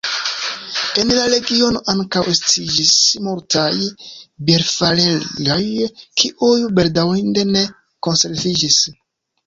En la regiono ankaŭ estiĝis multaj bierfarejoj, kiuj bedaŭrinde ne konserviĝis.